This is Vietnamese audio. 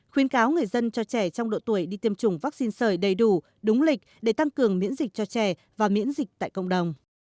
khuyến cáo người dân cho trẻ trong độ tuổi đi tiêm chủng vaccine sởi đầy đủ đúng lịch để tăng cường miễn dịch cho trẻ và miễn dịch tại cộng đồng